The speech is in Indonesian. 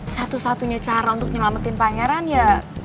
satu satunya cara untuk nyelamatin pangeran ya